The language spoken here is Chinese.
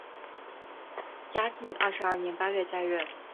嘉庆二十二年八月再任。